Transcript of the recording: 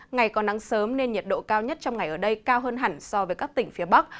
ngày còn nắng sớm nên nhiệt độ cao nhất trong ngày ở đây cao hơn hẳn so với các tỉnh phía bắc